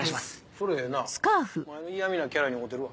それええなお前の嫌みなキャラに合うてるわ。